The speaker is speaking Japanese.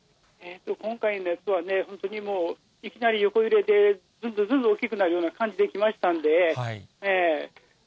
今回のやつはね、本当にもう、いきなり横揺れで、ずんずんずんずん大きくなるような感じできま